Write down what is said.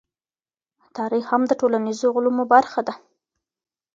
تاريخ هم د ټولنيزو علومو برخه ده.